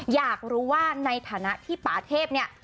อยากรู้ว่าในฐานะที่ป่าเทพเนี่ย